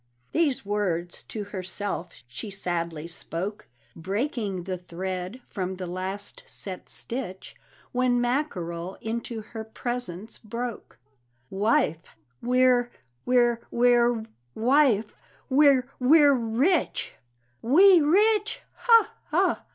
These words to herself she sadly spoke, Breaking the thread from the last set stitch, When Mackerel into her presence broke "Wife, we're we're we're, wife, we're we're rich!" "We rich! ha, ha!